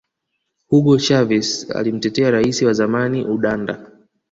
hugo chavez alimtetea rais wa zamani udanda